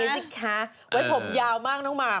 ว้ายผมแบบม่างเอี้ยวมาก